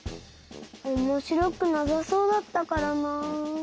おもしろくなさそうだったからな。